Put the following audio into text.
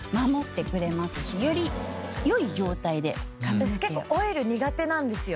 私結構オイル苦手なんですよ